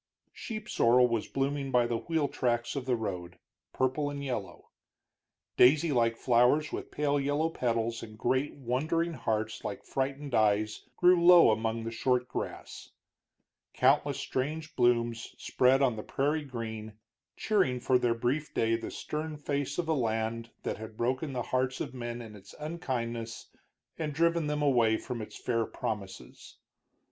Sheep sorrel was blooming by the wheel tracks of the road, purple and yellow; daisy like flowers, with pale yellow petals and great wondering hearts like frightened eyes, grew low among the short grass; countless strange blooms spread on the prairie green, cheering for their brief day the stern face of a land that had broken the hearts of men in its unkindness and driven them away from its fair promises.